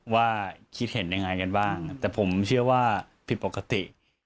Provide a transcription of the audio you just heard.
ว่าคิดเห็นยังไงกันบ้างแต่ผมเชื่อว่าผิดปกติ